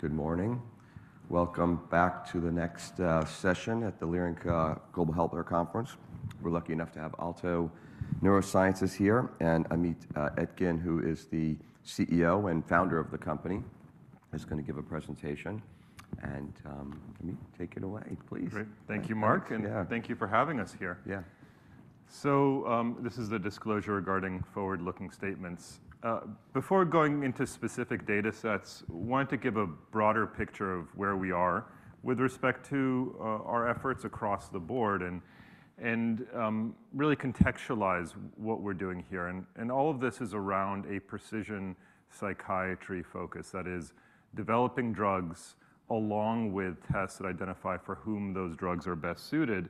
Good morning. Welcome back to the next session at the Leerink Global Healthcare Conference. We're lucky enough to have Alto Neuroscience here and Amit Etkin, who is the CEO and founder of the company, is going to give a presentation. Amit, take it away, please. Great. Thank you, Marc, and thank you for having us here. Yeah. This is the disclosure regarding forward-looking statements. Before going into specific data sets, I want to give a broader picture of where we are with respect to our efforts across the board and really contextualize what we're doing here. All of this is around a precision psychiatry focus that is developing drugs along with tests that identify for whom those drugs are best suited.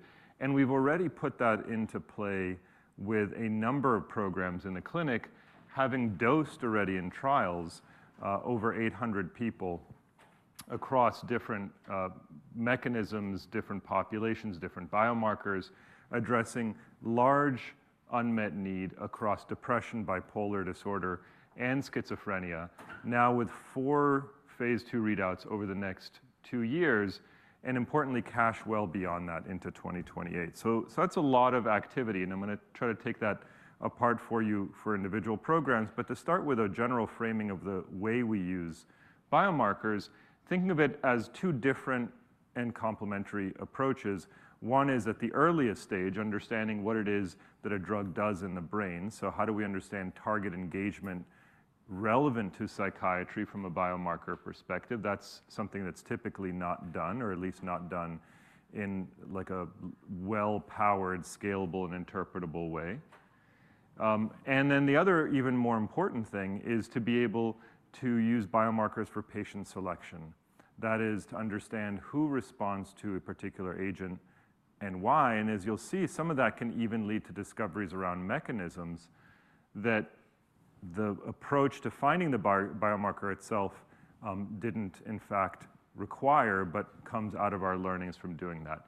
We've already put that into play with a number of programs in the clinic, having dosed already in trials over 800 people across different mechanisms, different populations, different biomarkers, addressing large unmet need across depression, bipolar disorder, and schizophrenia, now with four Phase 2 readouts over the next 2 years, and importantly, cash well beyond that into 2028. That's a lot of activity, and I'm going to try to take that apart for you for individual programs. To start with a general framing of the way we use biomarkers, thinking of it as two different and complementary approaches. One is at the earliest stage, understanding what it is that a drug does in the brain. So how do we understand target engagement relevant to psychiatry from a biomarker perspective? That's something that's typically not done, or at least not done in like a well-powered, scalable, and interpretable way. Then the other, even more important thing is to be able to use biomarkers for patient selection. That is to understand who responds to a particular agent and why. As you'll see, some of that can even lead to discoveries around mechanisms that the approach to finding the biomarker itself didn't, in fact, require, but comes out of our learnings from doing that.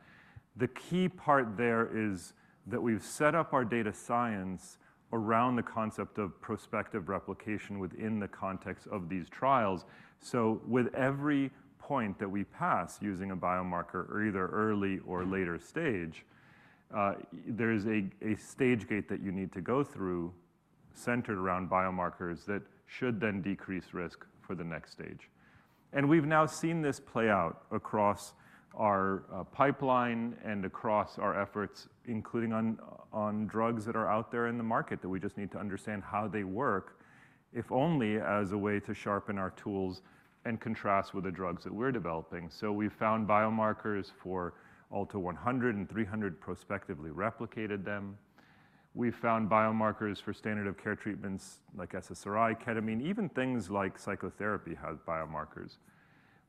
The key part there is that we've set up our data science around the concept of prospective replication within the context of these trials. With every point that we pass using a biomarker, either early or later stage, there is a stage gate that you need to go through centered around biomarkers that should then decrease risk for the next stage. We've now seen this play out across our pipeline and across our efforts, including on drugs that are out there in the market that we just need to understand how they work, if only as a way to sharpen our tools and contrast with the drugs that we're developing. We've found biomarkers for ALTO-100 and 300, prospectively replicated them. We've found biomarkers for standard of care treatments like SSRI, ketamine, even things like psychotherapy have biomarkers.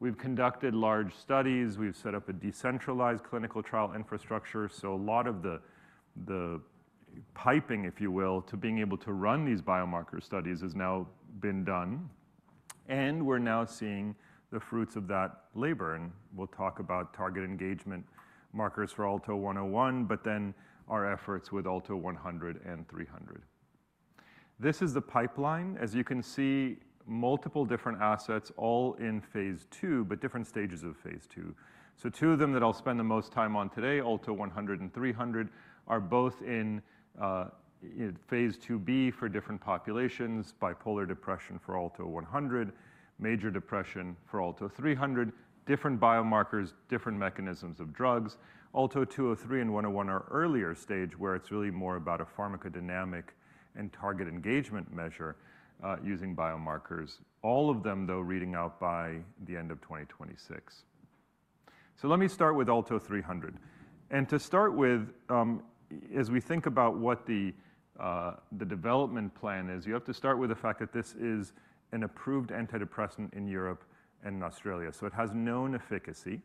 We've conducted large studies. We've set up a decentralized clinical trial infrastructure. A lot of the piping, if you will, to being able to run these biomarker studies has now been done. We're now seeing the fruits of that labor. We'll talk about target engagement markers for ALTO-100, but then our efforts with ALTO-100 and 300. This is the pipeline. As you can see, multiple different assets, all in Phase 2, but different stages of Phase 2. Two of them that I'll spend the most time on today, ALTO-100 and 300, are both in Phase 2b for different populations, bipolar depression for ALTO-100, major depression for ALTO-300, different biomarkers, different mechanisms of drugs. ALTO-203 and 101 are earlier stage where it's really more about a pharmacodynamic and target engagement measure using biomarkers, all of them though reading out by the end of 2026. Let me start with ALTO-300. To start with, as we think about what the development plan is, you have to start with the fact that this is an approved antidepressant in Europe and Australia. It has known efficacy,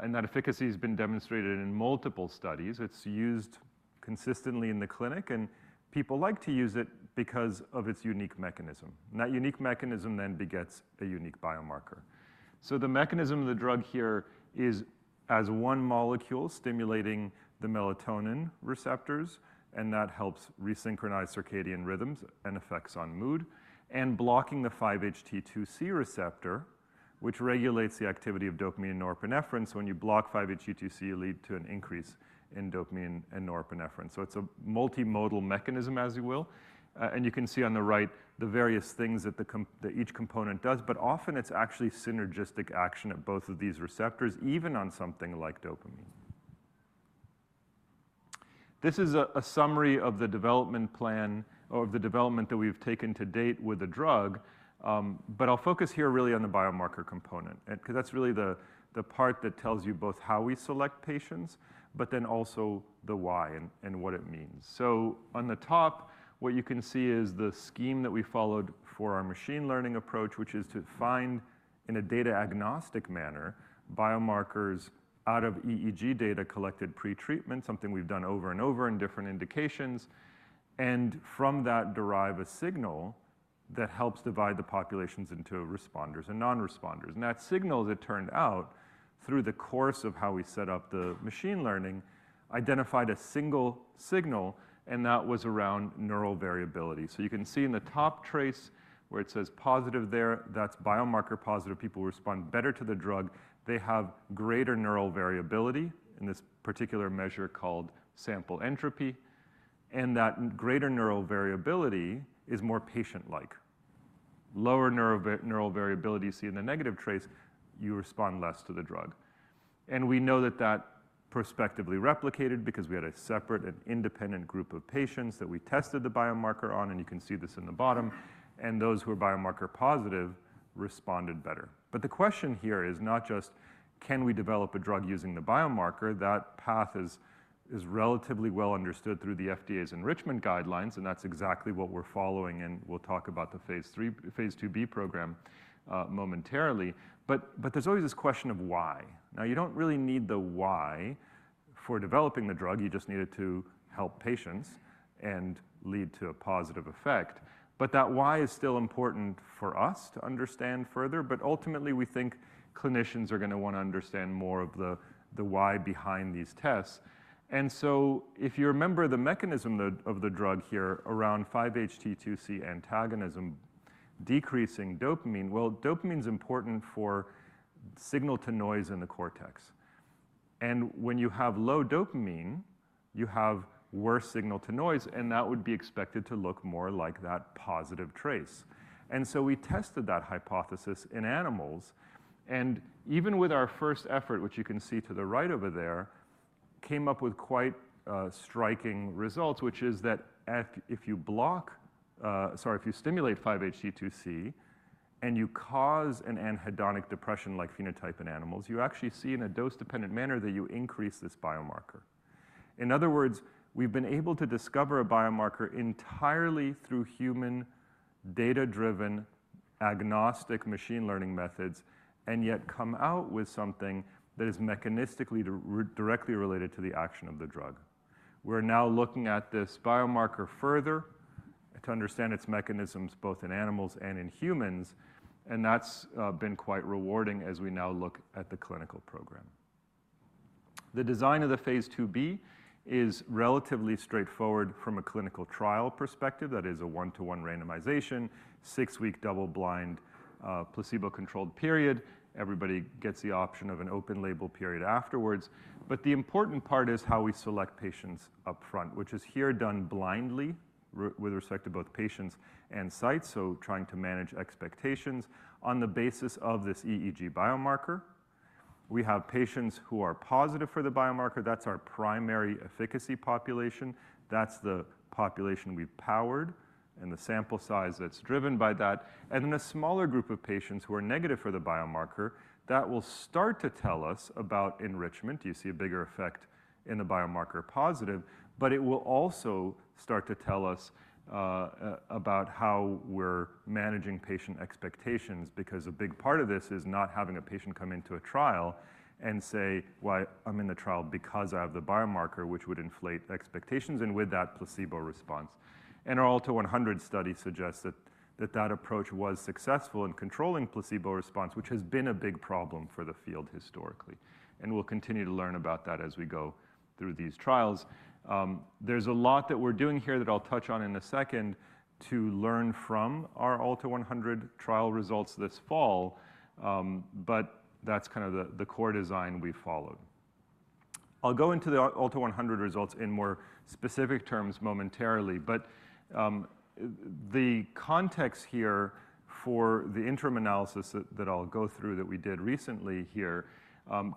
and that efficacy has been demonstrated in multiple studies. It's used consistently in the clinic, and people like to use it because of its unique mechanism. That unique mechanism then begets a unique biomarker. The mechanism of the drug here is as one molecule stimulating the melatonin receptors, and that helps resynchronize circadian rhythms and effects on mood, and blocking the 5-HT2C receptor, which regulates the activity of dopamine and norepinephrine. When you block 5-HT2C, you lead to an increase in dopamine and norepinephrine. It's a multimodal mechanism, as you will. You can see on the right the various things that each component does, but often it's actually synergistic action at both of these receptors, even on something like dopamine. This is a summary of the development plan or of the development that we've taken to date with the drug. I'll focus here really on the biomarker component, because that's really the part that tells you both how we select patients, but then also the why and what it means. On the top, what you can see is the scheme that we followed for our machine learning approach, which is to find in a data agnostic manner biomarkers out of EEG data collected pre-treatment, something we've done over and over in different indications, and from that derive a signal that helps divide the populations into responders and non-responders. That signal, as it turned out through the course of how we set up the machine learning, identified a single signal, and that was around neural variability. You can see in the top trace where it says positive there, that's biomarker positive. People respond better to the drug. They have greater neural variability in this particular measure called sample entropy, and that greater neural variability is more patient-like. Lower neural variability you see in the negative trace, you respond less to the drug. We know that that prospectively replicated because we had a separate and independent group of patients that we tested the biomarker on, and you can see this in the bottom, and those who are biomarker positive responded better. The question here is not just, can we develop a drug using the biomarker? That path is relatively well understood through the FDA's enrichment guidelines, and that's exactly what we're following. We'll talk about the Phase 2b program momentarily. There's always this question of why. Now, you don't really need the why for developing the drug. You just need it to help patients and lead to a positive effect. That why is still important for us to understand further. Ultimately, we think clinicians are going to want to understand more of the why behind these tests. If you remember the mechanism of the drug here, around 5-HT2C antagonism decreasing dopamine, dopamine is important for signal to noise in the cortex. When you have low dopamine, you have worse signal to noise, and that would be expected to look more like that positive trace. We tested that hypothesis in animals. Even with our first effort, which you can see to the right over there, came up with quite striking results, which is that if you stimulate 5-HT2C and you cause an anhedonic depression-like phenotype in animals, you actually see in a dose-dependent manner that you increase this biomarker. In other words, we've been able to discover a biomarker entirely through human data-driven, agnostic machine learning methods, and yet come out with something that is mechanistically directly related to the action of the drug. We're now looking at this biomarker further to understand its mechanisms both in animals and in humans, and that's been quite rewarding as we now look at the clinical program. The design of the Phase 2b is relatively straightforward from a clinical trial perspective. That is a one-to-one randomization, six-week double-blind placebo-controlled period. Everybody gets the option of an open-label period afterwards. The important part is how we select patients upfront, which is here done blindly with respect to both patients and sites. Trying to manage expectations on the basis of this EEG biomarker. We have patients who are positive for the biomarker. That's our primary efficacy population. That's the population we've powered and the sample size that's driven by that. Then a smaller group of patients who are negative for the biomarker, that will start to tell us about enrichment. You see a bigger effect in the biomarker positive, but it will also start to tell us about how we're managing patient expectations, because a big part of this is not having a patient come into a trial and say, "Well, I'm in the trial because I have the biomarker," which would inflate expectations and with that placebo response. Our ALTO-100 study suggests that that approach was successful in controlling placebo response, which has been a big problem for the field historically. We'll continue to learn about that as we go through these trials. There's a lot that we're doing here that I'll touch on in a second to learn from our ALTO-100 trial results this fall, but that's kind of the core design we followed. I'll go into the ALTO-100 results in more specific terms momentarily. The context here for the interim analysis that I'll go through that we did recently here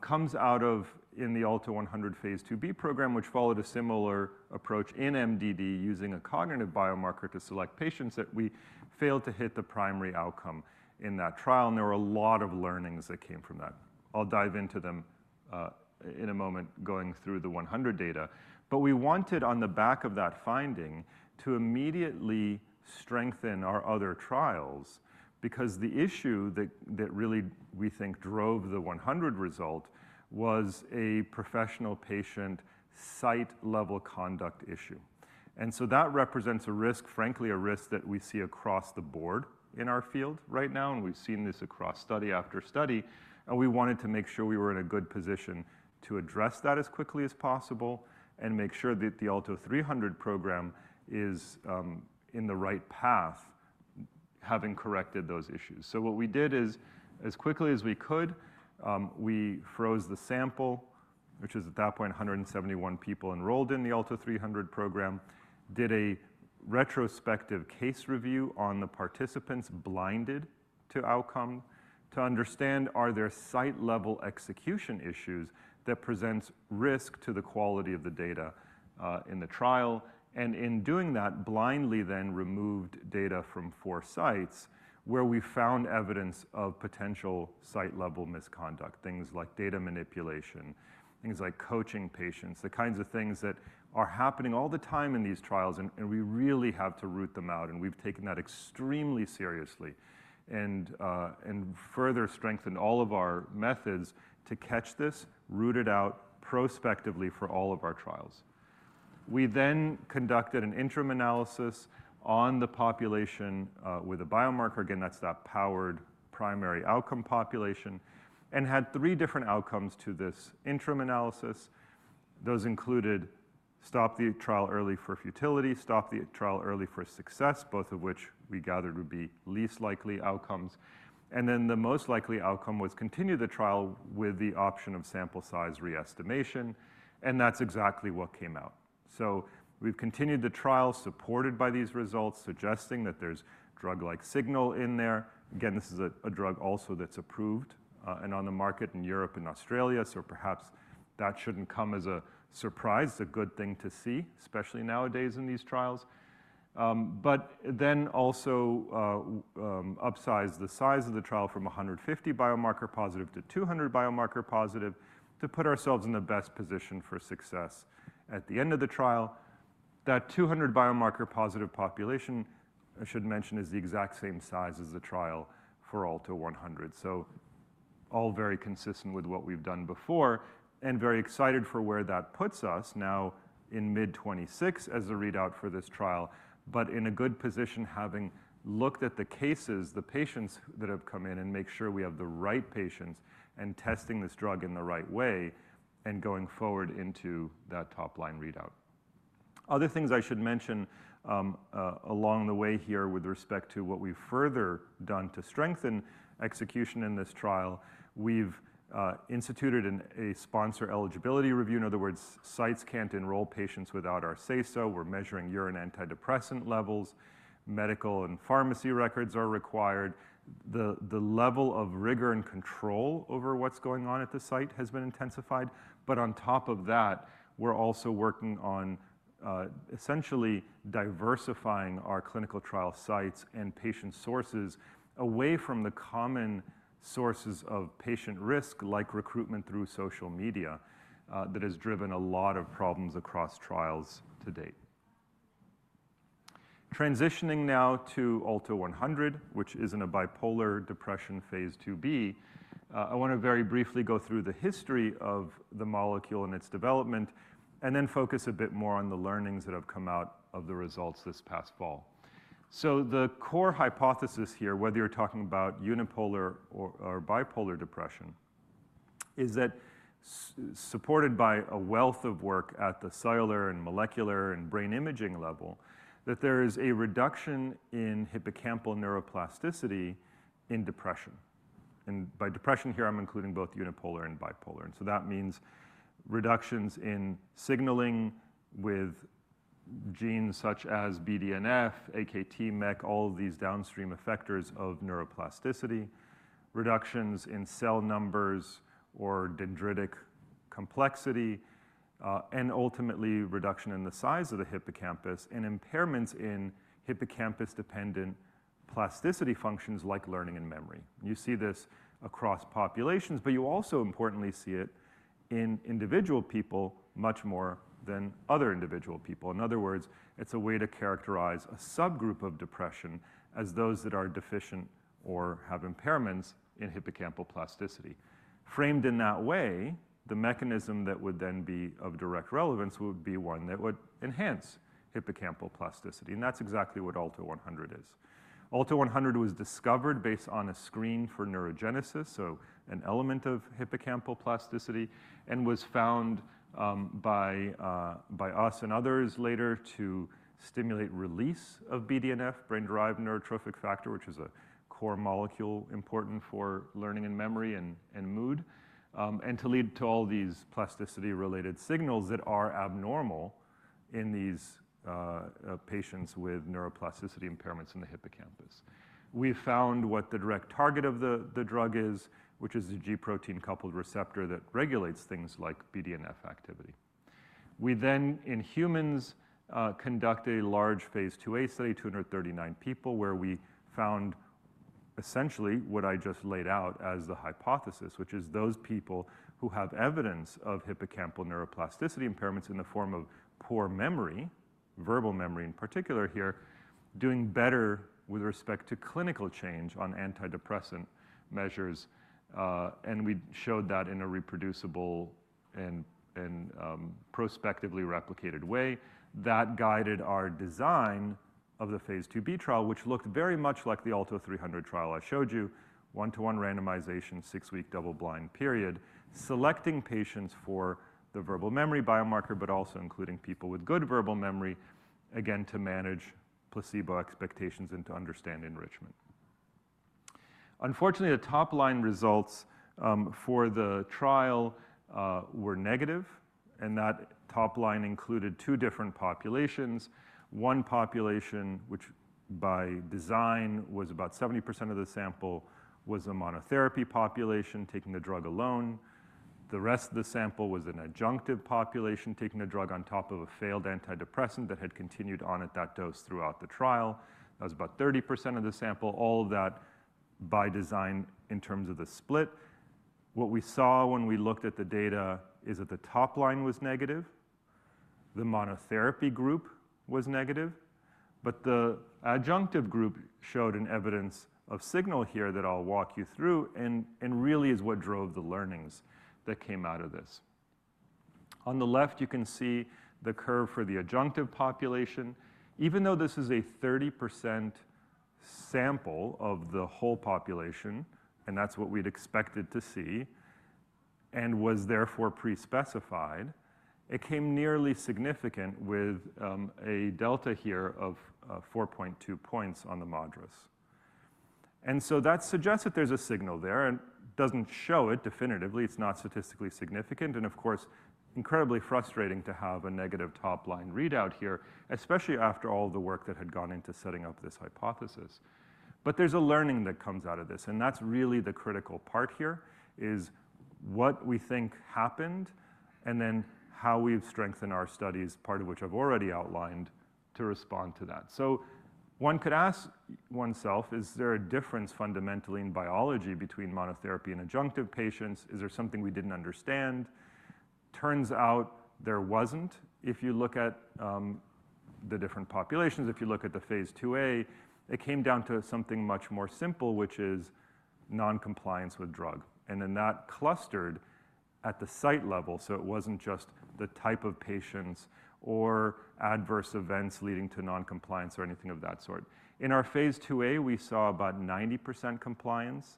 comes out of the ALTO-100 Phase 2b program, which followed a similar approach in MDD using a cognitive biomarker to select patients. We failed to hit the primary outcome in that trial, and there were a lot of learnings that came from that. I'll dive into them in a moment going through the 100 data. We wanted on the back of that finding to immediately strengthen our other trials, because the issue that really we think drove the 100 result was a professional patient site-level conduct issue. That represents a risk, frankly, a risk that we see across the board in our field right now, and we've seen this across study after study. We wanted to make sure we were in a good position to address that as quickly as possible and make sure that the ALTO-300 program is in the right path, having corrected those issues. What we did is, as quickly as we could, we froze the sample, which is at that point 171 people enrolled in the ALTO-300 program, did a retrospective case review on the participants blinded to outcome to understand, are there site-level execution issues that present risk to the quality of the data in the trial? In doing that, blindly then removed data from four sites where we found evidence of potential site-level misconduct, things like data manipulation, things like coaching patients, the kinds of things that are happening all the time in these trials, and we really have to root them out. We have taken that extremely seriously and further strengthened all of our methods to catch this, root it out prospectively for all of our trials. We then conducted an interim analysis on the population with a biomarker. Again, that's that powered primary outcome population, and had 3 different outcomes to this interim analysis. Those included stop the trial early for futility, stop the trial early for success, both of which we gathered would be least likely outcomes. The most likely outcome was continue the trial with the option of sample size re-estimation. That's exactly what came out. We have continued the trial supported by these results, suggesting that there's drug-like signal in there. Again, this is a drug also that's approved and on the market in Europe and Australia, so perhaps that shouldn't come as a surprise. It's a good thing to see, especially nowadays in these trials. We also upsized the size of the trial from 150 biomarker positive to 200 biomarker positive to put ourselves in the best position for success at the end of the trial. That 200 biomarker positive population, I should mention, is the exact same size as the trial for ALTO-100. All very consistent with what we've done before and very excited for where that puts us now in mid-2026 as a readout for this trial, but in a good position having looked at the cases, the patients that have come in and make sure we have the right patients and testing this drug in the right way and going forward into that top-line readout. Other things I should mention along the way here with respect to what we've further done to strengthen execution in this trial, we've instituted a sponsor eligibility review. In other words, sites can't enroll patients without our say-so. We're measuring urine antidepressant levels. Medical and pharmacy records are required. The level of rigor and control over what's going on at the site has been intensified. On top of that, we're also working on essentially diversifying our clinical trial sites and patient sources away from the common sources of patient risk, like recruitment through social media, that has driven a lot of problems across trials to date. Transitioning now to ALTO-100, which is in a bipolar depression Phase 2b, I want to very briefly go through the history of the molecule and its development and then focus a bit more on the learnings that have come out of the results this past fall. The core hypothesis here, whether you're talking about unipolar or bipolar depression, is that supported by a wealth of work at the cellular and molecular and brain imaging level, that there is a reduction in hippocampal neuroplasticity in depression. By depression here, I'm including both unipolar and bipolar. That means reductions in signaling with genes such as BDNF, AKT, MEK, all of these downstream effectors of neuroplasticity, reductions in cell numbers or dendritic complexity, and ultimately reduction in the size of the hippocampus and impairments in hippocampus-dependent plasticity functions like learning and memory. You see this across populations, but you also importantly see it in individual people much more than other individual people. In other words, it's a way to characterize a subgroup of depression as those that are deficient or have impairments in hippocampal plasticity. Framed in that way, the mechanism that would then be of direct relevance would be one that would enhance hippocampal plasticity. That's exactly what ALTO-100 is. ALTO-100 was discovered based on a screen for neurogenesis, so an element of hippocampal plasticity, and was found by us and others later to stimulate release of BDNF, brain-derived neurotrophic factor, which is a core molecule important for learning and memory and mood, and to lead to all these plasticity-related signals that are abnormal in these patients with neuroplasticity impairments in the hippocampus. We found what the direct target of the drug is, which is the G protein-coupled receptor that regulates things like BDNF activity. We then in humans conduct a large Phase 2a study, 239 people, where we found essentially what I just laid out as the hypothesis, which is those people who have evidence of hippocampal neuroplasticity impairments in the form of poor memory, verbal memory in particular here, doing better with respect to clinical change on antidepressant measures. We showed that in a reproducible and prospectively replicated way. That guided our design of the Phase 2b trial, which looked very much like the ALTO-300 trial I showed you, one-to-one randomization, six-week double-blind period, selecting patients for the verbal memory biomarker, but also including people with good verbal memory, again, to manage placebo expectations and to understand enrichment. Unfortunately, the top-line results for the trial were negative, and that top-line included two different populations. One population, which by design was about 70% of the sample, was a monotherapy population taking the drug alone. The rest of the sample was an adjunctive population taking the drug on top of a failed antidepressant that had continued on at that dose throughout the trial. That was about 30% of the sample. All of that by design in terms of the split. What we saw when we looked at the data is that the top-line was negative. The monotherapy group was negative, but the adjunctive group showed an evidence of signal here that I'll walk you through and really is what drove the learnings that came out of this. On the left, you can see the curve for the adjunctive population. Even though this is a 30% sample of the whole population, and that's what we'd expected to see and was therefore pre-specified, it came nearly significant with a delta here of 4.2 points on the moderates. That suggests that there's a signal there and doesn't show it definitively. It's not statistically significant. Of course, incredibly frustrating to have a negative top-line readout here, especially after all the work that had gone into setting up this hypothesis. There is a learning that comes out of this, and that's really the critical part here is what we think happened and then how we've strengthened our studies, part of which I've already outlined to respond to that. One could ask oneself, is there a difference fundamentally in biology between monotherapy and adjunctive patients? Is there something we didn't understand? Turns out there wasn't. If you look at the different populations, if you look at the Phase 2a, it came down to something much more simple, which is non-compliance with drug. That clustered at the site level, so it wasn't just the type of patients or adverse events leading to non-compliance or anything of that sort. In our Phase 2a, we saw about 90% compliance,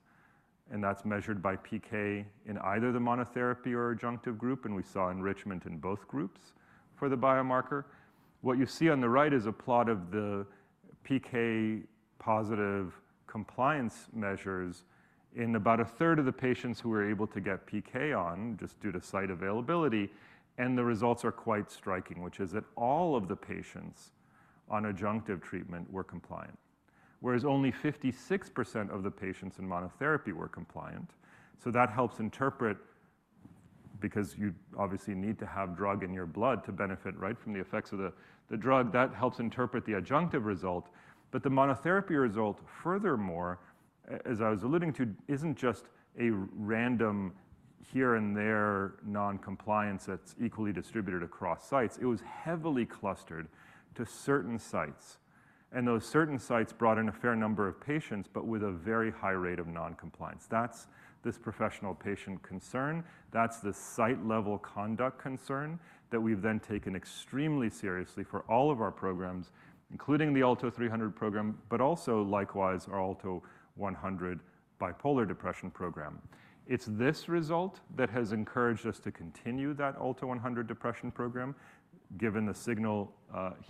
and that's measured by PK in either the monotherapy or adjunctive group, and we saw enrichment in both groups for the biomarker. What you see on the right is a plot of the PK positive compliance measures in about a third of the patients who were able to get PK on just due to site availability, and the results are quite striking, which is that all of the patients on adjunctive treatment were compliant, whereas only 56% of the patients in monotherapy were compliant. That helps interpret because you obviously need to have drug in your blood to benefit right from the effects of the drug. That helps interpret the adjunctive result, but the monotherapy result, furthermore, as I was alluding to, isn't just a random here and there non-compliance that's equally distributed across sites. It was heavily clustered to certain sites, and those certain sites brought in a fair number of patients, but with a very high rate of non-compliance. That's this professional patient concern. That's the site-level conduct concern that we've then taken extremely seriously for all of our programs, including the ALTO-300 program, but also likewise our ALTO-100 bipolar depression program. It's this result that has encouraged us to continue that ALTO-100 depression program, given the signal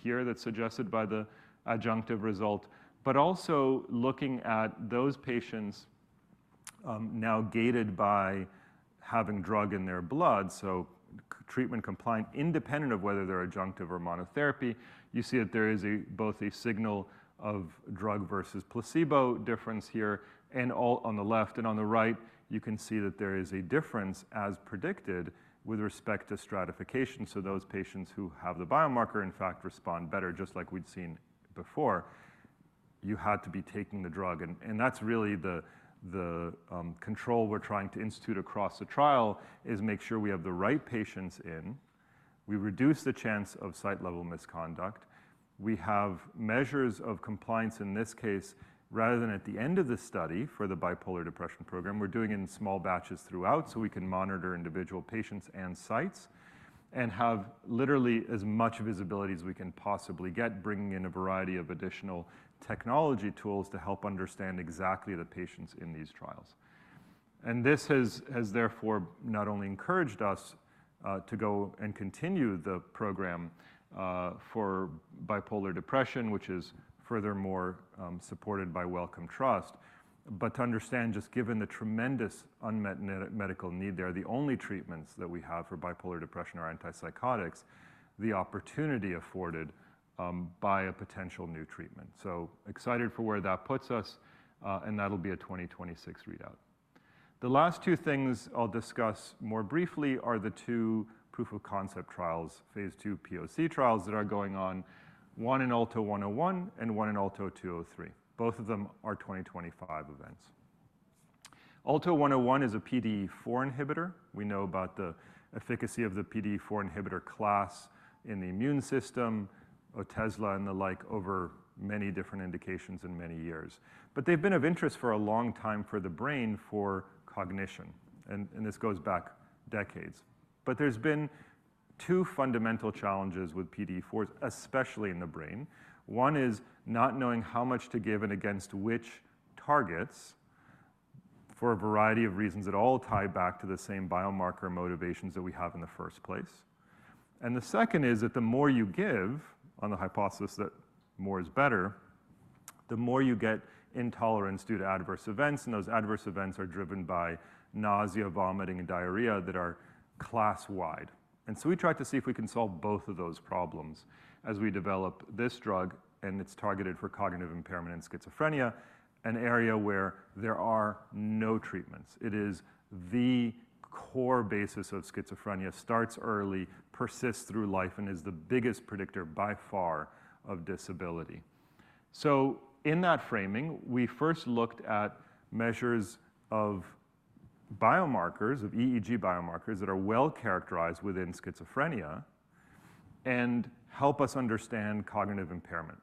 here that's suggested by the adjunctive result, but also looking at those patients now gated by having drug in their blood, so treatment compliant independent of whether they're adjunctive or monotherapy. You see that there is both a signal of drug versus placebo difference here, and on the left, and on the right, you can see that there is a difference as predicted with respect to stratification. Those patients who have the biomarker, in fact, respond better, just like we'd seen before. You had to be taking the drug, and that's really the control we're trying to institute across the trial is make sure we have the right patients in. We reduce the chance of site-level misconduct. We have measures of compliance in this case, rather than at the end of the study for the bipolar depression program, we're doing it in small batches throughout so we can monitor individual patients and sites and have literally as much visibility as we can possibly get, bringing in a variety of additional technology tools to help understand exactly the patients in these trials. This has therefore not only encouraged us to go and continue the program for bipolar depression, which is furthermore supported by Wellcome Trust, but to understand, just given the tremendous unmet medical need, there the only treatments that we have for bipolar depression are antipsychotics, the opportunity afforded by a potential new treatment. Excited for where that puts us, and that will be a 2026 readout. The last two things I'll discuss more briefly are the two proof of concept trials, Phase 2 POC trials that are going on, one in ALTO-100 and one in ALTO-203. Both of them are 2025 events. ALTO-100 is a PDE4 inhibitor. We know about the efficacy of the PDE4 inhibitor class in the immune system, Otezla and the like over many different indications in many years. They've been of interest for a long time for the brain for cognition, and this goes back decades. There have been two fundamental challenges with PDE4s, especially in the brain. One is not knowing how much to give and against which targets for a variety of reasons that all tie back to the same biomarker motivations that we have in the first place. The second is that the more you give on the hypothesis that more is better, the more you get intolerance due to adverse events, and those adverse events are driven by nausea, vomiting, and diarrhea that are class-wide. We tried to see if we can solve both of those problems as we develop this drug, and it's targeted for cognitive impairment in schizophrenia, an area where there are no treatments. It is the core basis of schizophrenia, starts early, persists through life, and is the biggest predictor by far of disability. In that framing, we first looked at measures of biomarkers, of EEG biomarkers that are well characterized within schizophrenia and help us understand cognitive impairment.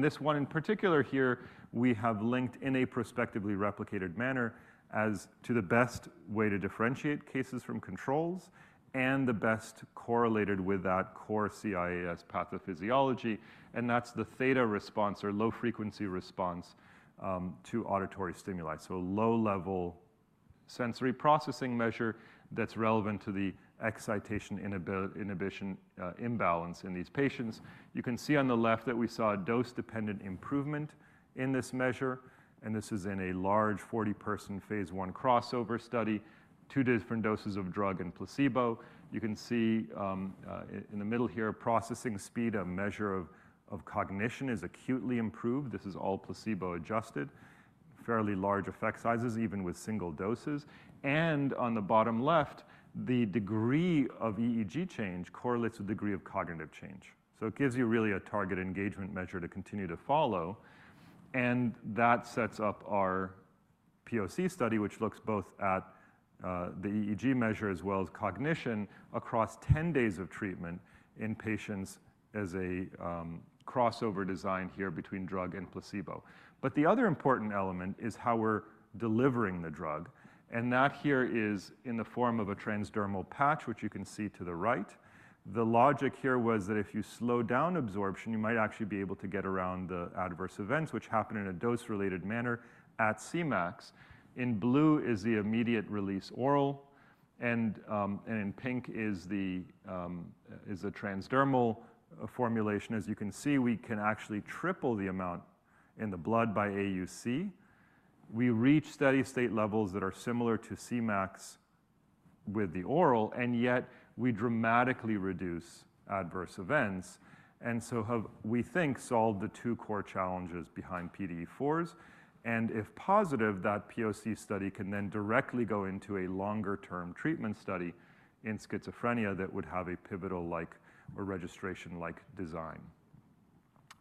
This one in particular here, we have linked in a prospectively replicated manner as to the best way to differentiate cases from controls and the best correlated with that core CIAS pathophysiology, and that's the theta response or low-frequency response to auditory stimuli. Low-level sensory processing measure that's relevant to the excitation inhibition imbalance in these patients. You can see on the left that we saw a dose-dependent improvement in this measure, and this is in a large 40-person phase one crossover study, two different doses of drug and placebo. You can see in the middle here, processing speed, a measure of cognition, is acutely improved. This is all placebo-adjusted, fairly large effect sizes even with single doses. On the bottom left, the degree of EEG change correlates with degree of cognitive change. It gives you really a target engagement measure to continue to follow, and that sets up our POC study, which looks both at the EEG measure as well as cognition across 10 days of treatment in patients as a crossover design here between drug and placebo. The other important element is how we're delivering the drug, and that here is in the form of a transdermal patch, which you can see to the right. The logic here was that if you slow down absorption, you might actually be able to get around the adverse events, which happen in a dose-related manner at CMAX. In blue is the immediate release oral, and in pink is a transdermal formulation. As you can see, we can actually triple the amount in the blood by AUC. We reach steady-state levels that are similar to CMAX with the oral, yet we dramatically reduce adverse events. We think we solved the two core challenges behind PDE4s, and if positive, that POC study can then directly go into a longer-term treatment study in schizophrenia that would have a pivotal-like or registration-like design.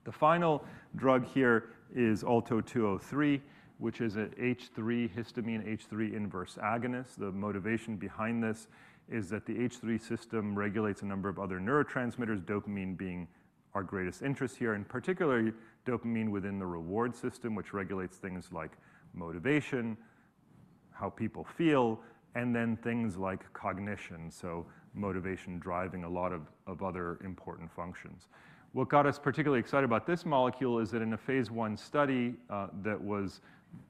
The final drug here is ALTO-203, which is an H3 histamine H3 inverse agonist. The motivation behind this is that the H3 system regulates a number of other neurotransmitters, dopamine being our greatest interest here, and particularly dopamine within the reward system, which regulates things like motivation, how people feel, and then things like cognition, so motivation driving a lot of other important functions. What got us particularly excited about this molecule is that in a phase one study that was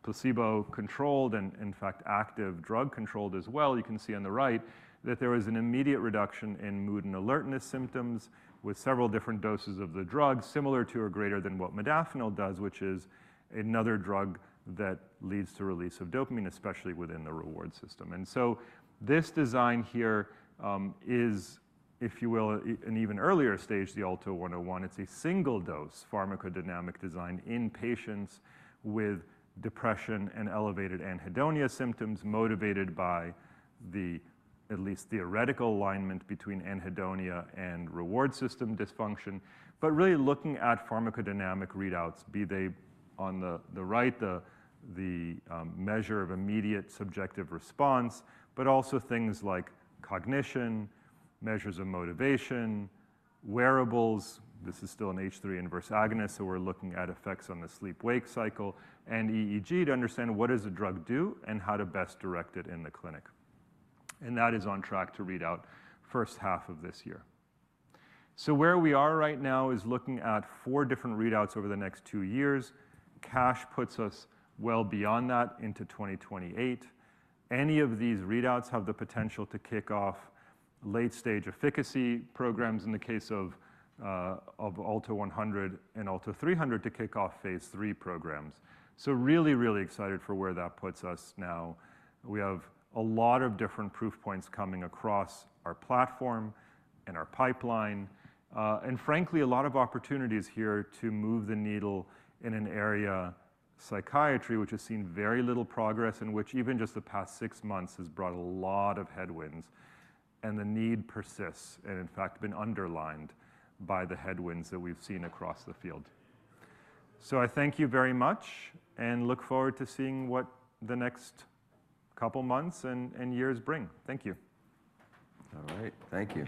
placebo-controlled and in fact active drug-controlled as well, you can see on the right that there was an immediate reduction in mood and alertness symptoms with several different doses of the drug, similar to or greater than what modafinil does, which is another drug that leads to release of dopamine, especially within the reward system. This design here is, if you will, an even earlier stage, the ALTO-100. It's a single-dose pharmacodynamic design in patients with depression and elevated anhedonia symptoms motivated by the at least theoretical alignment between anhedonia and reward system dysfunction, but really looking at pharmacodynamic readouts, be they on the right, the measure of immediate subjective response, but also things like cognition, measures of motivation, wearables. This is still an H3 inverse agonist, so we're looking at effects on the sleep-wake cycle and EEG to understand what does the drug do and how to best direct it in the clinic. That is on track to readout first half of this year. Where we are right now is looking at four different readouts over the next two years. Cash puts us well beyond that into 2028. Any of these readouts have the potential to kick off late-stage efficacy programs in the case of ALTO-100 and ALTO-300 to kick off Phase 3 programs. Really, really excited for where that puts us now. We have a lot of different proof points coming across our platform and our pipeline, and frankly, a lot of opportunities here to move the needle in an area of psychiatry, which has seen very little progress and which even just the past 6 months has brought a lot of headwinds, and the need persists and in fact been underlined by the headwinds that we've seen across the field. I thank you very much and look forward to seeing what the next couple months and years bring. Thank you. All right. Thank you.